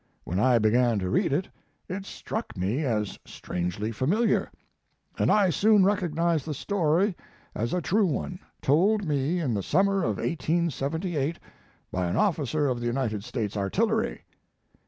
When I began to read it, it struck me as strangely familiar, and I soon recognized the story as a true one, told me in the summer of 1878 by an officer of the United States artillery.